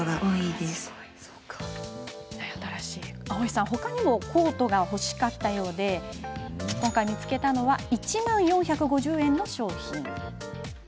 あおいさん、ほかにもコートが欲しかったようで見つけたのは１万４５０円の商品。